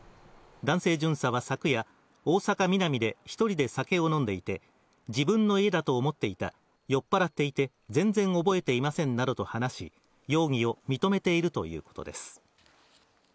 男性巡査は昨夜、大阪・ミナミで１人で酒を飲んでいて、自分の家だと思っていた、酔っぱらっていて全然覚えていませんなどと話し、容疑を認めているということです。